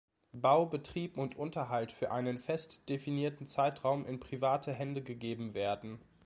Bau, Betrieb und Unterhalt für einen fest definierten Zeitraum in private Hände gegeben werden.